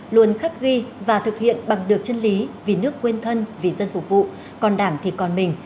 luôn khắc ghi và thực hiện bằng được chân lý vì nước quên thân vì dân phục vụ còn đảng thì còn mình